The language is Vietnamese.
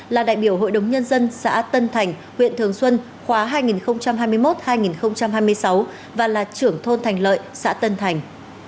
là đại biểu hội đồng nhân dân xã tân thành huyện thường xuân khóa hai nghìn hai mươi một hai nghìn hai mươi sáu và là trưởng thôn thành lợi xã tân thành